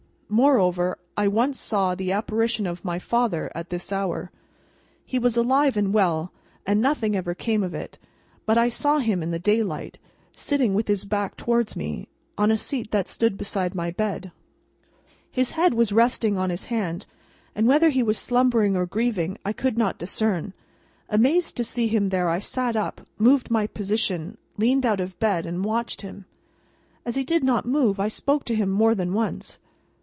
Moreover, I once saw the apparition of my father, at this hour. He was alive and well, and nothing ever came of it, but I saw him in the daylight, sitting with his back towards me, on a seat that stood beside my bed. His head was resting on his hand, and whether he was slumbering or grieving, I could not discern. Amazed to see him there, I sat up, moved my position, leaned out of bed, and watched him. As he did not move, I spoke to him more than once.